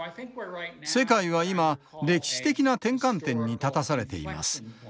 世界は今歴史的な転換点に立たされています。